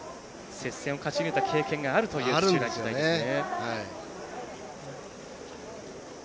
接戦を勝ち抜いた経験があるということなんですね。